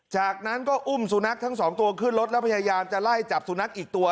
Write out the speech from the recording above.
จากนั้นก็อุ้มสุนัขทั้งสองตัวขึ้นรถแล้วพยายามจะไล่จับสุนัขอีกตัว